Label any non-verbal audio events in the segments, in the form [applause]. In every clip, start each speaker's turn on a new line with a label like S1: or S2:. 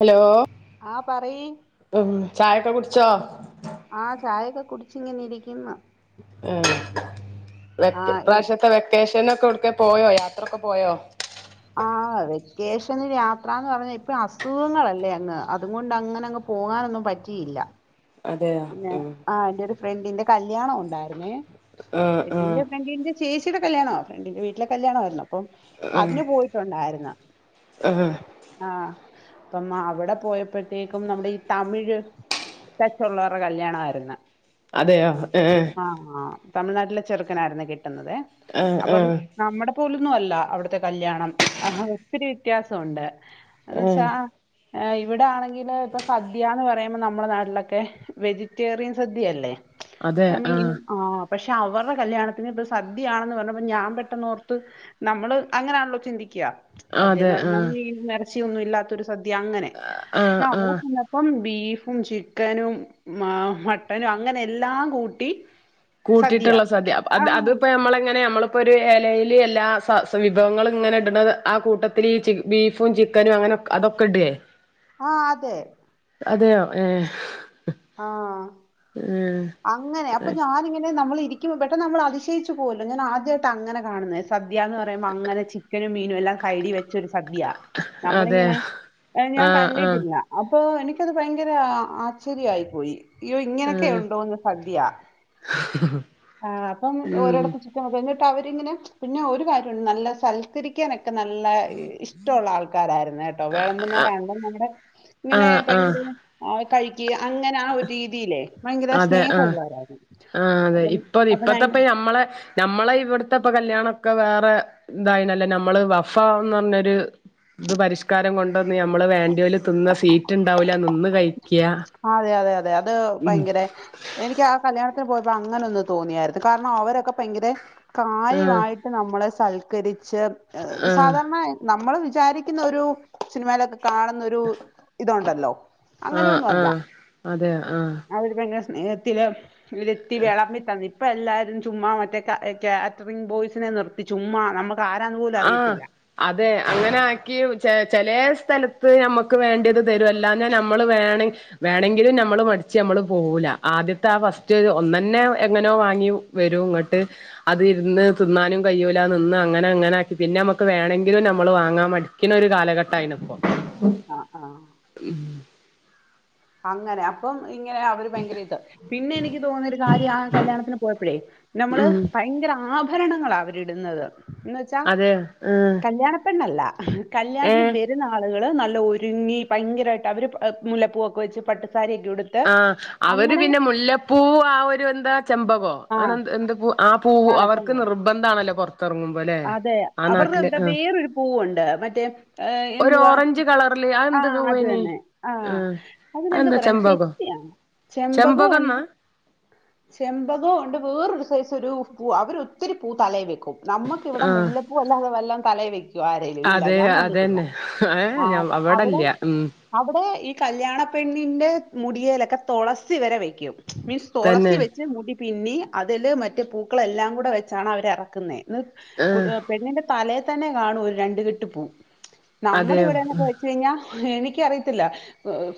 S1: Hello
S2: ആഹ് പറി
S1: ഹ്മ്മ് ചായൊക്കെ കുടിച്ചോ
S2: ആഹ് ചായൊക്കെ കുടിച്ചിങ്ങനെ ഇരിക്ക്ന്ന്
S1: ഏഹ് വെ
S2: എൻ-
S1: ഇപ്രാശ്യത്തെ വെ ക്കെഷനൊക്കെ ഒടുക്കെ പോയോ യാത്രക്കെ പോയോ
S2: ആഹ്‌ വെക്കേഷന് യാത്രന്ന് പറഞ്ഞ ഇപ്പ അസുഖങ്ങളല്ലെ അങ്ങ് അത് കൊണ്ട് അങ്ങനങ്ങ് പോകാനൊന്നും പറ്റിയില്ല.
S1: അതെയോ
S2: പിന്നെ
S1: ഉം
S2: ആഹ് എന്റൊരു ഫ്രണ്ടിന്റെ കല്യാണം ഉണ്ടായിരുന്നെ
S1: ആഹ്
S2: ഫ്രണ്ടിന്റെ ഫ്രണ്ടിന്റെ ചേച്ചിയുടെ കല്യാണവാ ഫ്രണ്ടിന്റെ വീട്ടിലെ കല്യാണവായിരുന്നു അപ്പം
S1: ആഹ്
S2: അതിനു പോയിട്ടുണ്ടായിരുന്ന്.
S1: ആഹ് ആഹ്
S2: ആഹ് അപ്പം അവടെ പോയപ്പഴ്ത്തേക്കും നമ്മടെ ഈ തമിഴ് ത്തുള്ളവരുടെ കല്യാണ ആയിരുന്ന്
S1: അതെയോ ഏഹ്
S2: ആഹ് ആഹ് തമിഴ്നാട്ടിലെ ചെറുക്കനായിരുന്നു കെട്ടി കിട്ടുന്നതെ
S1: ആഹ്
S2: അപ്പം
S1: ആഹ്
S2: നമ്മുടെ പോലൊന്നും അല്ല അവിടുത്തെ കല്യാണം ആഹ്‌ ഒത്തിരി വ്യത്യാസോണ്ട്
S1: ഏഹ്
S2: എന്നച്ചാ ഇവിടെ ആണെങ്കില് ഇപ്പൊ സദ്യ എന്ന് പറയുമ്പോ നമ്മുടെ നാട്ടിലൊ തെ വെജിറ്റേറിയൻ സദ്യയല്ലേ ആഹ് മീന് ആഹ് പക്ഷെ അവരുടെ കല്യാണത്തിന് ഇപ്പ സദ്യയാണെന്ന് പറഞ്ഞപ്പ ഞാൻ പെട്ടെന്ന് ഓർത്ത് നമ്മള് അങ്ങനാണല്ലോ ചിന്തിക്ക
S1: ആഹ് അതെ
S2: സദ്യന്ന് പറഞ്ഞൽ
S1: ആഹ്
S2: മീനും ഇറച്ചിയൊന്നും ഇല്ലാത്തൊരു സദ്യ അങ്ങനെ
S1: ആഹ്
S2: പക്ഷെ അവ
S1: ആഹ്
S2: [unintelligible] പ്പം ബീഫും ചിക്കനും ആഹ്‌ മട്ടനും അങ്ങനെ എല്ലാം കൂട്ടി സദ്യ
S1: കൂട്ടിയിട്ടുള്ള സദ്യത്
S2: ആഹ്
S1: അതിപ്പോ നമ്മള എങ്ങനെ നമ്മ പ്പൊരു ഇലയിൽ എല്ലാ സ വിഭവങ്ങളും ഇങ്ങനെ ഇട്ണത് ആ കൂട്ടത്തിൽ ഈ ബീഫും ചിക്കനും അങ്ങനെ അതൊക്കെ ഇടേ
S2: ആഹ്‌ അതെ
S1: അതെയോ ഏഹ്‌
S2: ആഹ്‌ അങ്ങനെ അപ്പൊ
S1: ഏഹ്
S2: ഞാനിങ്ങനെ നമ്മൾ ഇരി ക്ക് പ പെട്ടെന്ന് നമ്മൾ അതിശയിച്ചു പോഉല്ലോ ഞാൻ ആദ്യയിട്ട അങ്ങനെ കാണുന്നെ സദ്യന്ന് പറയുമ്പോ അങ്ങനെ ചി ക്കനും മീനും എല്ലാം സൈഡിൽ വെച്ചൊരു സദ്യയ
S1: അതെ
S2: നമ്മളിങ്ങനെ ഞാൻ
S1: ആഹ് ആഹ്
S2: കണ്ടിട്ടില്ല അപ്പൊ എനിക്കത് ഭയങ്കര ആശ്ചര്യ ആയി പോയി അയ്യോ ഇങ്ങനൊക്കെ ഉണ്ടോന്ന് സദ്യ
S1: ആഹ്ഹ
S2: ആഹ് അപ്പം ഓരോടപ്പ ചുറ്റം കഞ്ഞിട്ട് അവരിങ്ങനെ പിന്നെ ഒരു കാര്യംണ്ട് നല്ല സൽക്കരി ക്ക്യനൊക്കെ നല്ല ഇഷ്ട്ടൊള്ള ആൾക്കാരായിരുന്നു ഏട്ടോ വേളമ്പുന്നവരാണങ്കും നമ്മുടെ ഇങ്ങനെ
S1: ആഹ് ആഹ്
S2: ഭയങ്കര [unintelligible] കഴിക്ക്യ അങ്ങനെ ആഹ് ഒരു രീതിയിലേ ഭയങ്കര സ്നേഹോള്ളവരായിരുന്നു
S1: ആഹ്‌ അതെ ഇപ്പ ഇപ്പത്തെപ്പ നമ്മളെ നമ്മളെ ഇവിടുത്തെ ഇപ്പൊ കല്യാണൊക്കെ വേറെ ഇതായിണല്ലേ നമ്മള് വഫ ന്ന് പറഞ്ഞരു ഇത് പരിഷ്കാരം കൊണ്ടന്ന് നമ്മള് വേണ്ട്യോല് തിന്ന സീറ്റ് ണ്ടാവൂല്ല നിന്ന് കഴി
S2: അതെ അതെ അതെ അത് ഭയങ്കര എനിക്ക് ആഹ് കല്യാണത്തിന് പോയപ്പോ അങ്ങനെ ഒന്ന് തോന്നിയായിരുന്നു കാരണം അവരൊക്കെ ഭയങ്കര
S1: ആഹ്
S2: കാര്യവായിട്ട് നമ്മളെ സൽക്കരിച്ച്
S1: ആഹ്
S2: സാധാരണ നമ്മള് വിചാരിക്കുന്ന ഒരു സിനിമയിലൊക്കെ കാണുന്നൊരു ഇതുണ്ടല്ലോ
S1: ആഹ്‌
S2: അങ്ങനെയൊന്നും അല്ല
S1: ആഹ്‌ അതെ ആഹ്‌
S2: അവര് ഭയങ്കര സ്നേഹത്തില് ഇര്ത്തി വിളമ്പി ഇപ്പ എല്ലാരും ചുമ്മാ മറ്റേ കാറ്ററി ബോയ്സിനെ നിർത്തി ചുമ്മാ നമു ആരാന്നുപോലും
S1: ആഹ്
S2: അറിയത്തില്ല
S1: അതെ അങ്ങനെ ആക്കി ചെ ചേലേ സ്ഥലത്ത് നമ്മുക്ക് വേണ്ടിയത് തരും അല്ലാഞാ നമ്മള് വേണെ വേണങ്കിലും നമ്മള് മടിച്ച് അമ്മള് പോവൂല ആദ്യത്തെ ആ ഫസ്റ്റ് രു ഒന്നന്നെ എങ്ങനോ വാങ്യു വരും ഇങ്ങട്ട് അത് ഇരുന്ന് തിന്നാനും കഴിയൂല നിന്ന് അങ്ങനെ അങ്ങനെ പിന്നെ മ്മക്ക് വേണങ്കിലും നമ്മള് വാങ്ങാൻ മടിക്കുന്ന ഒരു കാലഘട്ടായിന് ഇപ്പൊ ഉം
S2: ആഹ് ആഹ് അങ്ങനെ അപ്പം ഇങ്ങനെ അവര് ഭയങ്കര ഇത് പിന്നെ എനിക്ക് തോന്നിയ ഒരു കാര്യം ആഹ് കല്യാണത്തിന് പോയപ്പഴേ ന്നമ്മള്
S1: ഉം
S2: ഭയങ്കര ആഭരണങ്ങളാവ ഇടുന്നത് എന്നുവെച്ചാ
S1: അതെ ആഹ്
S2: കല്യാണ പെണ്ണല്ല കല്യാണത്തിന്
S1: ഏഹ്
S2: വെ രുന്ന ആളുകള് നല്ല ഒരുങ്ങി ഭയങ്കരായിട്ട് അവര് മുലപ്പൂവൊക്കെ വെച്ച് പട്ടുസാരിയൊക്കെടു
S1: ആഹ്‌ അവര് പിന്നെ മുല്ലപ്പൂ ആഹ്‌ ഒരു എന്താ ചെമ്പകോ
S2: ആഹ്
S1: അന എ ആഹ് പൂ അവർക്ക്
S2: ആഹ്
S1: നിർബ നിർബന്ധാണല്ലോ പൊറത്ത് ത്തറങ്ങുമ്പോല്ലേ
S2: അതെ അവർന്ന് തേ വേറൊരു പൂവുണ്ട് മറ്റേ
S1: ഒരു
S2: എന്തുവാ
S1: ഓറഞ്ച് കളറില് അത് എന്ത്
S2: ആഹ്‌ അത്
S1: പൂവേനി
S2: തന്ന ആ
S1: ആഹ്
S2: അതിനെന്ത
S1: അതെന്താ
S2: പറയാൻ
S1: ചെമ്പകോ
S2: തെച്ചിയാ ചെമ്പകൂണ്ട
S1: ചെമ്പകംന്നാ
S2: ചെമ്പകം ഉണ്ട് വേറൊരു സൈസ ഒരു പൂ അവര് ഒത്തിരി പൂ തലയിൽ വെക്കും നമ്മുക്ക് ഇവിടെ
S1: ആഹ്
S2: മുല്ലപ്പൂ അല്ലാതെ വല്ലാം തലയി വെക്കുവോ ആരേലും ഇല്ല ഞാൻ കണ്ടിട്ട് ഇല്ല
S1: ഹ് ഞാൻ അവിടല്ല ഉം
S2: അവിടെ ഈ കല്യാണപ്പെണ്ണിന്റെ മുടിയേലൊക്കെ തുളസി വരെ വെക്കും മീൻസ് തുളസി
S1: തന്നെ
S2: മുടി പിന്നി അതില് മറ്റ് പൂക്കളെല്ലാം കൂടെ വെച്ചാണ് അവരറുക്കുന്നെ
S1: ആഹ്
S2: പെണ്ണിന്റെ തലേ തന്നെ കാണൂ ഒരു രണ്ട് കെട്ട് പൂ നമ്മുടെ
S1: അതെയോ
S2: ഇവിടെന്നൊക്കെ ചെയ്‌ഞ്ഞ എനിക്കറിയത്തില്ല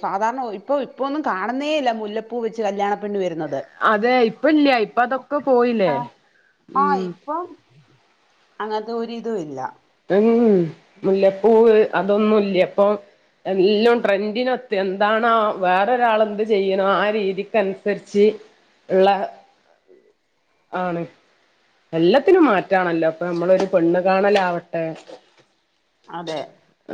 S2: സാധാരണ ഇപ്പൊ ഇപ്പൊന്നും കാണുന്നേല്ല മുല്ലപ്പൂ വെച്ച് കല്യാണപ്പെണ്ണ് വരുന്നത്
S1: അതെ ഇപ്പയില്ല്യ ഇപ്പ അതൊക്കെ പോയില്ലേ
S2: ആഹ്
S1: ഉം
S2: അങ്ങത്തെ ഒരിതുയില്ല
S1: ഉം മുല്ലപ്പൂവ് അതൊന്നുല്ല ഇപ്പൊ എല്ലം ട്രെൻഡിനൊത്ത് എന്താണോ വേറൊരാൾ എന്ത് ചെയ്യണോ ആ രീതിക്കനുസരിച്ച് ള്ള ആണ് എല്ലത്തിനും മാറ്റാണല്ലോ പ്പൊ നമ്മളൊരു പെണ്ണ് കാണലാവട്ടെ
S2: അതെ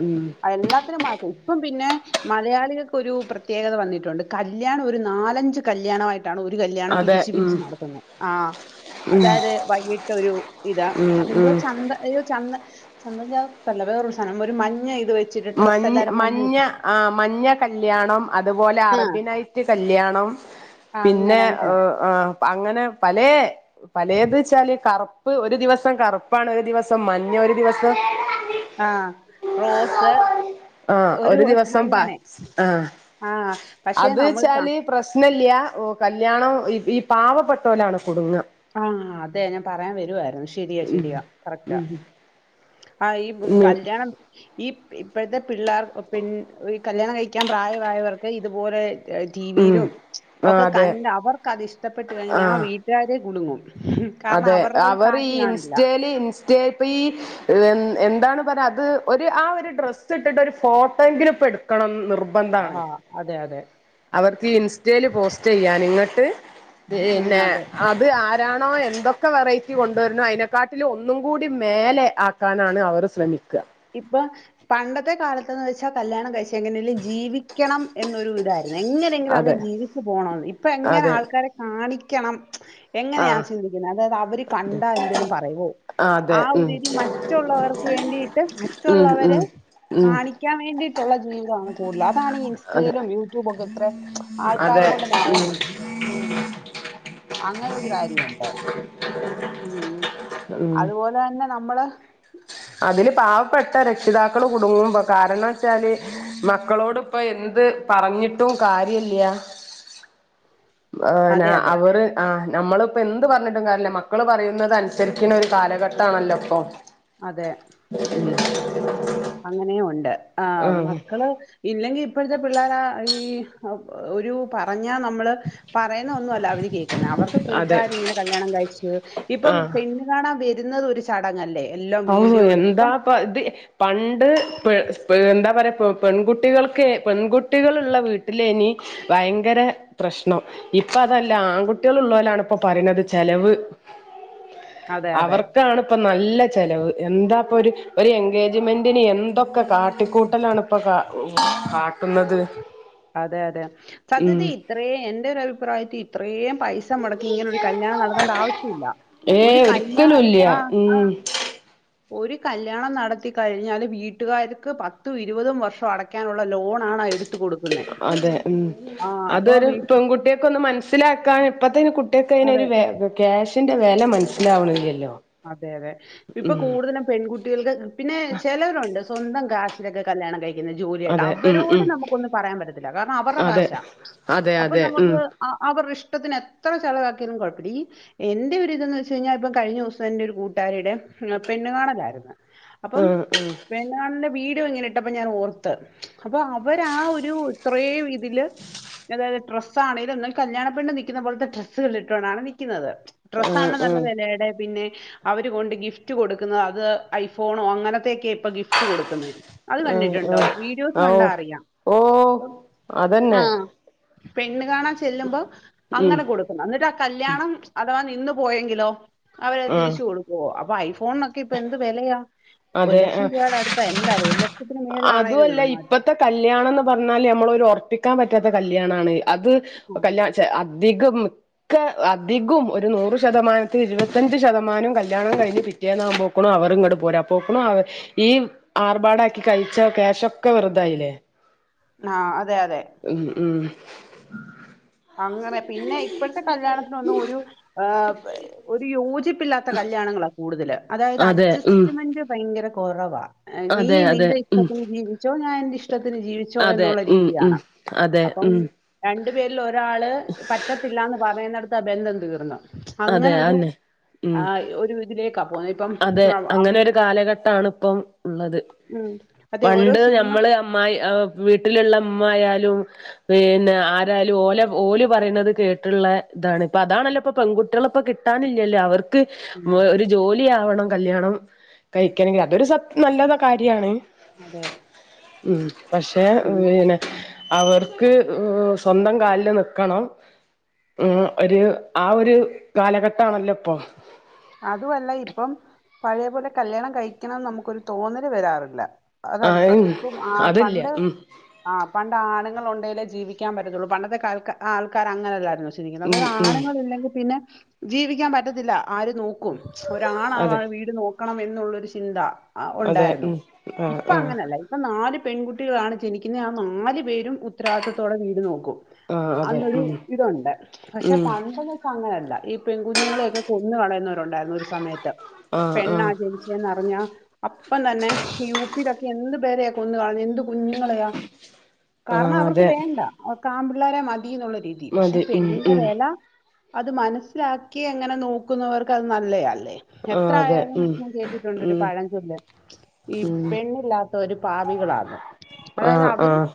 S1: ഉം
S2: എല്ലാത്തിനും മാറ്റി ഇപ്പ പിന്നെ മലയാളികൾക്കൊരു പ്രത്യേകത വന്നിട്ടുണ്ട് കല്യാണം ഒരു നാലഞ്ച് കല്യാണമായിട്ട് ഒരു കല്യാണം
S1: അതെ
S2: പിരിച്ച്
S1: ഉം
S2: പിരിച്ച് നടത്തുന്നെ ആഹ് അതായത് വൈകിട്ടൊരു ഇതാ
S1: ഉം
S2: എന്തോ
S1: ഉം
S2: ചന്ത അയ്യോ ച ചന്തൻ ചാർത്തല്ല വേറൊരു സാധനം ഒരു മഞ്ഞ ഇത് വെ
S1: മഞ് മഞ്ഞ ആ മഞ്ഞ കല്യാണം അതുപോലെ
S2: ആഹ്
S1: അറബിനൈറ്റ് കല്യാണം പിന്നെ
S2: അങ്ങനെ അങ്ങനെ
S1: ആ അങ്ങനെ പലേ പലേത് വെച്ചാല് കറുപ്പ് ഒരു ദിവസം കറുപ്പാണ് ഒരു ദിവസം മഞ്ഞ ഒരു ദിവസം
S2: ആഹ റോസ്
S1: ആ ഒരു ദിവസം പ ആഹ്
S2: ആഹ് പക്ഷെ
S1: അത്
S2: നമ്മൾ ത
S1: വെച്ചാല് പ്രശ്നല്ല്യ ഓ കല്യാണം ഈ പാവപ്പെട്ടോലാണ് കുടുങ്ങ
S2: ആഹ് അതെ ഞാൻ പറയാൻ വരുവായിരുന്നു ശരിയാ ശരിയാ കറക്റ്റാ ആ ഈ
S1: ഉം
S2: കല്യാണം ഈ ഇപ്പോഴത്തെ പിള്ളേർ പി കല്യാണം കഴിക്കാൻ പ്രായമായവർക്ക് ഇതുപോലെ
S1: ഉം
S2: ട്ടീവീലും
S1: ആഹ്
S2: ഒക്കെ
S1: അതെ
S2: കണ്ട് അവർക്കത് ഇഷ്ടപ്പെട്ട് കഴിഞ്ഞാ ആ
S1: ആഹ്
S2: വീട്ടാര് കുടുങ്ങും
S1: അതെ അവറ് ഈ
S2: കാണില്ല
S1: ഇൻസ്റ്റേല് യബി എന്താണ് പറ അത് ഒരു ആ ഒരു ഡ്രസ്സ് ഇട്ടിട്ട് ഫോട്ടോങ്കിലും ഇപ്പടുക്കെണം നിർ
S2: ആഹ് അതെ അതെ
S1: അവർക്ക് ഈ ഇൻസ്റ്റേല് പോസ്റ്റ് ചെയ്യാന് ഇങ്ങട്ട്
S2: ഉം
S1: പിന്നെ
S2: അതെ
S1: ഇത് ആരാണോ എന്തൊക്കെ വെറൈറ്റി കൊണ്ടുവരുന്നോ അതിനെക്കാട്ടിലും ഒന്നും കൂടി മേലെ ആ ക്കാനാണ് അവർ ശ്രമിക്ക
S2: ഇപ്പൊ പണ്ടത്തെ കാലത്ത്ന്ന് വച്ചാൽ കല്യാണം കഴിച്ച എങ്ങനെങ്കിലും ജീവിക്കണം എന്നൊരു ഇതായി എങ്ങനെങ്കിലും
S1: അതെ
S2: അങ്ങനെ ജീവിച്ചു പോണന്ന് ഇപ്പൊ എങ്ങനെ
S1: അതെ
S2: ആൾക്കാരെ കാണിക്കണം എങ്ങനെയാ
S1: ആഹ്
S2: ചിന്തിക്കുന്നത് അതായത് അവര്
S1: അതെ
S2: കണ്ടാ എന്തേലും പറയോ
S1: അതെ
S2: ആ
S1: ഉം
S2: ഒരുരി മറ്റുള്ളവർക്ക് വേണ്ടിട്ട്
S1: ഉം
S2: മറ്റുള്ളവരെ
S1: ഉം ഉം
S2: കാണി ക്കാൻ വേണ്ടയിട്ടുള്ള ജീവി കൂടുതലൽ അതാണ് ഈ
S1: അതെ
S2: ഇൻസ്റ്റയിലും യൂട്യൂബക്കെ ഇത്രെ
S1: അതെ
S2: ആൾക്കാരകൊണ്ട്
S1: ഉം
S2: ന്നറേന്നേ ഉം അങ്ങനൊരു കാര്യണ്ട് ഉം
S1: ഉം
S2: അതുപോലെന്നെ നമ്മള്
S1: അതില് പാവപ്പെട്ട രക്ഷിതാക്കള് കുടുങ്ങും കാരണം വെച്ചാല് മക്കളോട് ഇപ്പൊ എന്ത് പറഞ്ഞിട്ടും കാര്യല്ല
S2: അതെ
S1: ന്നാ
S2: അതെ
S1: അവര് ആ നമ്മളിപ്പോ എന്ത് പറഞ്ഞിട്ടും കാര്യല്ല മക്കള് പറയുന്നത് അനുസരിക്കണൊരു കാലഘട്ടാണല്ലോ ഇപ്പൊ
S2: അതെ
S1: ഉല്ല
S2: അങ്ങനെയ ഉണ്ട് ആ മക്കള് ഇല്ലെങ്കിൽ ഇപ്പോഴത്തെ പിള്ളേരാ ഈ ഒരു പറഞ്ഞാ നമ്മള് പറയുന്ന ഒന്നുമല്ല അവര് കേൾക്കുന്ന അവർക്ക്
S1: അതെ
S2: കൂട്ടുകാരി ഇങ്ങനെ കല്യാണം കഴിച്ചു ഇപ്പം
S1: ആഹ്
S2: പിന്നെ ണാ വരുന്നത് ഒരു ചടങ്ങല്ലേ എല്ലാം
S1: ഓ
S2: വീഡിയോ എടുത്തിപ്പം
S1: എന്താപ്പ ഇത് പണ്ട് എന്താ പറയാ പെൺകുട്ടികൾക്ക് പെൺകുട്ടികൾള്ള വീട്ടില ഇനി ഭയങ്കര പ്രശ്നം ഇപ്പൊ അതല്ല ആൺകുട്ടികൾ ഉള്ളവരാണ് ഇപ്പൊ പറയുന്നത് ചെലവ്
S2: [inaudible] അതെ
S1: അവർക്കാണ് ഇപ്പ നല്ല ചിലവ് എന്താ ഇപ്പൾ ഒരു എൻഗേജ്മെൻറിന് എന്തൊക്കെ കാട്ടിക്കൂട്ടലാണ ഇപ്പോൾ കാ കാട്ടുന്നത്
S2: അതെ അതെ
S1: ഉം
S2: സത്യത്തിൽ ഇത്രയും എന്റെ ഒരു അഭിപ്രായത്തിൽ ഇത്രയും പൈസ മുടക്കി ഇങ്ങനെ ഒരു കല്യാണം നടത്തേണ്ട ആവശ്യം ഇല്ല
S1: ഏ
S2: ഒരു കല്യാ
S1: ഒരിക്കലും ഇല്ല
S2: ആ
S1: ഉം
S2: ഒരു കല്യാണം നടത്തി കഴിഞ്ഞാല് വീട്ടുകാർക്ക് പത്തും ഇരുപതും വർഷം അടയ്ക്കാനുള്ള ലോണ ആണ് എടു
S1: അതെ ഉം
S2: അപ്പൊ
S1: അതൊരു
S2: വീട്ട്
S1: പെൺകുട്ടിയക്കെ ഒന്ന് മനസ് മനസ്സിലാക്കാൻ ഇപ്പഴത്തേന് കുട്ടികക്ക് അതിനൊ ഒരു ക്യാഷിന്റെ വില മനസ്സിലാവണില്ലല്ലോ
S2: അതെ അതെ ഇപ്പൊ
S1: ഉം
S2: കൂടുതലും പെൺകുട്ടി കുട്ടികൾക്ക് പിന്നെ ചിലവരുണ്ട് സ്വന്തം കാശിലൊക്കെ കല്യാണം കഴിക്കുന്ന ജോലിയായിട്ട്
S1: അതെ ഉം
S2: അവരോട്
S1: ഉം
S2: നമുക്കൊന്നും പറയാൻ പറ്റത്തില്ല കാരണം അവരുടെ
S1: അതെ
S2: കാശാ
S1: അതെ
S2: അപ്പൊ
S1: അതെ ഉം
S2: നമുക്ക് ആ അവരുടെ ഇഷ്ടത്തിന് എത്ര ചെിലവാക്കിയാലും കുഴപ്പില്ല എന്റെ ഒരുരിതന്ന് വെച്ച് കഴിഞ്ഞാൽ ഇപ്പ കഴിഞ്ഞ ദിവസം ന്റെ ഒരു കൂട്ടാരിയുടെ പെണ് കാണലായിരുന്നു അപ്പം
S1: ഉം ഉം
S2: പെണ്ണ് കാണാലിന്റെ വീഡിയോ ഇങ്ങനെട്ടപ്പോ ഞാൻ ഓർത്ത് അപ്പൊ അവരാ ഒരു ഇത്ര അത [unintelligible] ഡ ആണെങ്കും ഒും കല്യാണപെണ്ണു നൽിക്കുന്ന പോലത്തെ ഡ്രസ്സുകളൾ ഇട്ടുകാണ് നൽുന്നത് ഡ്രസ് ആണ
S1: ആഹ്
S2: നല്ല വിലയുടെ പിന്നെ അവര് കൊൊണ്ട് ഗിഫ്റ്റ് കൊടുക്കുന്നത് അത് ഐഫോണോ അങ്ങനത്തെയൊക്കെ ഇപ്പൊ ഗിഫ്റ്റ് കൊടുക്കുന്ന അത്
S1: ആഹ്
S2: കണ്ടിട്ടുണ്ടോ
S1: ആഹ് ആഹ്
S2: വീഡിയോസ്
S1: ഓ
S2: കണ്ടാ അറിയാം
S1: ഓ അതന്നെ
S2: ആഹ പെണ്ണ് കാണാൻ ചെല്ലുമ്പോ
S1: ഉം
S2: അങ്ങനെ കൊടുക്കും എന്നിട്ട് ആ കല്യാണം അഥവാ നിന്ന് പോയെങ്കിലോ അവര്
S1: ആഹ്
S2: തിരിച്ചു കൊടു ക്കോ. അപ്പൊ ഐഫോണൊക്കെ ഇപ്പൊ എന്ത് വിലയാ ഒരു
S1: അതെ
S2: ലക്ഷം
S1: ആഹ്
S2: രൂപായ്ടെ അടുത്ത എന്തായാലും ഒരു ലക്ഷത്തിന് മേൾളാണെലെ
S1: അതുമല്ല
S2: ഒള്ളു നാട്ട്ല്
S1: ഇപ്പത്തെ കല്യാണംന്ന് പറഞ്ഞാല് നമ്മളൊരു ഒർപ്പിക്കാൻ പറ്റാത്ത കല്യാണാണ് അത് കല്ല ചെ അധികം ക്കെ അധികം ഒരു നൂറ് ശതമാനത്തിൽ ഇരുപത്തിഞ്ച് ശതമാനം കല്യാണം കഴിഞ്ഞ് പി റ്റേന്ന് ആവുമ്പോക്കുണു അവര് ഇങ്ങട് പോരാ പോക്ക്ണു അവ ഈ ആർബാടാക്കി കഴിച്ച ക്യാശൊക്കെ വെറുതായില്ലേ
S2: ആഹ് അതെ അതെ
S1: ഉം ഉം
S2: അങ്ങനെ പിന്നെ ഇപ്പഴത്തെ കല്യാണത്തിനൊന്നും ഒരു ആ ഒരു യോജിപ്പില്ലാത്ത കല്യാണങ്ങളാ കൂടുതല് അതായത്
S1: അതെ ഉം
S2: അഡ്ജ്സ്റ്റ്മെന്റ് ഭയങ്കര കൊറവാ നീ
S1: അതെ അതെ
S2: നിന്റെ
S1: ഉം
S2: ഇഷ്ടത്തിന് ജീവിച്ചോ ഞാൻ എന്റെ ഇഷ്ടത്തിന് ജീവി ച്ചോ
S1: അതെ
S2: എന്നൊള്ള
S1: ഉം ഉം
S2: രീതിയാണ്
S1: അതെ
S2: അപ്പം
S1: ഉം
S2: രണ്ട് പേ രിലൊരാള് പറ്റത്തില്ലാന്ന് പറയുന്നിടത്ത് ആ ബന്ധം തീർന്നു
S1: അതെ
S2: അങ്ങനെ ഒരു
S1: അന്നെ ഉം
S2: ആ ഒരു ഇതിലേക്കാ പോന്ന ഇപ്പം
S1: അതെ അങ്ങനെ
S2: അമ്മ
S1: ഒരു കാലഘട്ടാണ് ഇപ്പം ഉള്ളത്
S2: ഉം അതെ ഓരോ
S1: പണ്ട്
S2: സിനിമ
S1: ഞമ്മള് അമ്മായി വീട്ട്ല്ള്ളെ മ്മആയാലും പിന്നെ ആരായാലും ഓലെ ഓല് പറയുന്നത് കേട്ട്ള്ളെ ഇതാണ് ഇപ്പൊ അതാണല്ലോ ഇപ്പൊ പെൺകുട്ടികള ഇപ്പോ കി ട്ടാനില്ല്യല്ലോ അവർക്ക്
S2: ഉം
S1: ഒരു ജോലി ലി ആവണം കല്യാണം കഴിക്കണെങ്കിൽ അതൊരു സത് നല്ലത കാര്യാണ്.
S2: അതെ
S1: ഉം പക്ഷേ പിന്നെ അവർക്ക് സ്വന്തം കാൽല് നിക്കണം ഉം ഒരു ആ ഒരു കാലഘട്ടാണല്ലോ ഇപ്പൊ
S2: അതുവല്ല ഇപ്പം പഴേ പോലെ കല്യാണം കഴിക്കണംന്ന് നമുക്കൊരു തോന്നല് വരാറില്ല
S1: ആ
S2: അതാണ് സത്യം ഇപ്പം ആഹ്
S1: അതില്ല
S2: പണ്ട്
S1: ഉം
S2: ആഹ് പണ്ട് ആണ്ങ്ങളൊണ്ടേലേ ജീവിക്കാൻ പറ്റത്തൊള്ളൂ പണ്ടത്തെ കാൽകാ ആഹ് ആൾക്കാരങ്ങനൊര് ഇതാര്ന്നു പക്ഷേ ട്ടിരിക്കുന്നത്
S1: ഉം ഉം
S2: ആണ്ങ്ങൾ ഇല്ലെങ്കിൽ പിന്നെ ജീവിക്കാൻ പറ്റത്തില്ല ആഒര് ക്കും ഒരാണാ വാ
S1: അതെ
S2: ആ വീട് നോക്കണം എന്നുള്ളൊരു ചിന്ത ആഹ്
S1: അതെ
S2: ഒണ്ടാര്ന്നു
S1: ഉം ആ
S2: ഇപ്പൊ
S1: ആ
S2: അങ്ങനെല്ല ഇപ്പ നാല് പെൺകുട്ടികളാണ് ജനിക്കുന്നത് ആ നാല് പേരും ഉത്തരവാദിത്തോടെ വീട് നോക്കും
S1: ആഹ് അതെ
S2: അന്നൊരു
S1: ഉം
S2: ഇതൊണ്ട് പക്ഷെ
S1: ഉം
S2: പണ്ടെന്ന് വെച്ചാ അങ്ങനെ അല്ല ഈ പെൺകുഞ്ഞുങ്ങളെയൊക്കെ കൊന്ന് കളയു ന്നോരുണ്ടായിരുന്നു ഒരു സമയത്ത്
S1: ആഹ് ആഹ്
S2: പെണ്ണായി ജനി ചെന്ന് അറിഞ്ഞാ അപ്പം തന്നെ ഈ യു പിയിലൊക്കെ എന്ത് പേരെയാ ക്കൊന്ന് കളഞ്ഞേ എന്ത് കുഞ്ഞുങ്ങളെയാ കാരണം
S1: ആഹ്
S2: അവർക്ക്
S1: അതെ
S2: വേണ്ട അവക്കാമ്പിള്ളേരെ മതിന്നുള്ള രീ തി പക്ഷെ
S1: മതി ഉം
S2: പെണ്ണിന്റെ
S1: ഉം
S2: വെല അത് മനസ്സിലാക്കി എങ്ങനെ നോക്കുന്നവർക്ക് അത് നല്ലയല്ലേ
S1: ആഹ്
S2: എത്ര
S1: അതെ
S2: ആയാലും
S1: ഉം
S2: ഞാൻ കേട്ടിട്ടുണ്ട് ഒരു
S1: ഉം
S2: പാഴംചൊല്ല് ഈ
S1: ഉം
S2: പെണ്ണില്ലാ ത്തോര് പാവികളാന്ന് അതായത്
S1: ആഹ്
S2: അവര്
S1: ആഹ്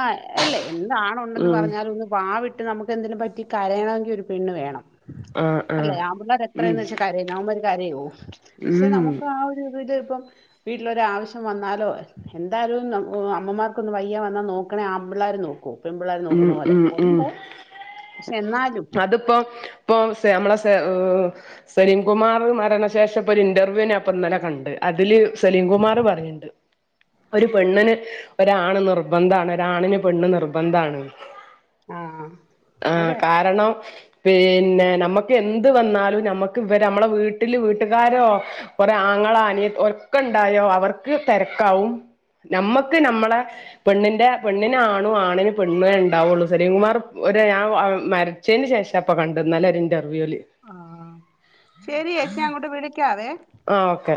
S2: ആഹ് എല്ലേ എന്താണ് ഉണ്ടെന്ന്
S1: ഉം
S2: പറഞ്ഞാലും ഒന്ന് വാവിട്ട് നമുക്ക്ന്തിലും പറ്റി കരയണമെങ്കിൽ ഒരു പെണ്ണ് വേണം
S1: ആഹ് ആഹ്
S2: അല്ലേ ആമ്പിള്ളേര്
S1: ഉം
S2: എത്രയെന്ന് വെച്ചാ കരയ്ന്നെ അവന്മാര് കരയോ പക്ഷെ
S1: ഉം
S2: നമ് ക്ക് ആ ഒര് ഇത് ല് ഇപ്പം വീട്ടിലൊര് ആവശ്യം വന്നാലോ എന്തായാലും അമ്മമാർക്കൊന്ന് വയ്യ വന്നാ നോക്കണേ ആമ്പിള്ളേര് നോ ക്കോ പെമ്പിള്ളേര്
S1: ഉം
S2: നോക്കുന്ന പോലെ
S1: ഉം
S2: ഓനുണ്ടാവും പക്ഷെ എന്നാലും
S1: ണ്ട് പ്പൊ ഇപ്പൊ സെ നമ്മളെ സെ ഏഹ് സലീം കുമാർ മരണശേഷപ്പൊരു ഇന്റർവ്യൂ നായിപ്പെന്നലെ കണ്ട് അതില് സലീം കുമാറ് പറയിണ്ട് ഒരു പെണ്ണിന് ഒരാണ് നിർബന്ധാണ് ഒരാണിന് പെണ്ണ് നിർബന്ധാണ്
S2: ആ
S1: ആഹ്
S2: അതെ
S1: കാരണം പിന്നെ നമ്മക്കെന്ത് വന്നാലും നമ്മക്ക് ഇവര് നമ്മളെ വീട്ടില് വീട്ടുകാരോ പി കൊറേ ആങ്ങള അനിയത്തി ഒക്കെണ്ടായോ അവർക്ക് തെരക്കാവും നമ്മക്ക് നമ്മളെ പെണ്ണിന്റെ പെണ്ണിനാണു ആണിന് പെ പെണ്ണുവെ ഇണ്ടാവൊള്ളു സലീം കുമാറ് ഒര് ഞ മരിച്ചേന്റെ ശേഷാപ്പൊ കണ്ടേ ഇന്നെലൊരു ഇന്റർവ്യൂല്
S2: ആഹ് ശരിയേച്ചി ഞാനങ്ങോട്ട് വിളിക്കാവെ
S1: ആ ഓക്കെ